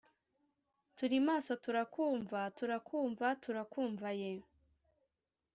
turi maso turakumva turakumva turakumva ye!